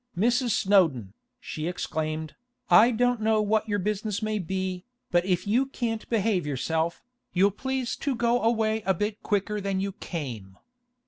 'Mrs. Snowdon,' she exclaimed, 'I don't know what your business may be, but if you can't behave yourself, you'll please to go away a bit quicker than you came.